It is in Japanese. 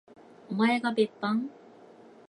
おまえが別班？